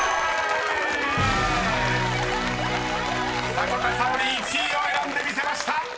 ［迫田さおり１位を選んでみせました！］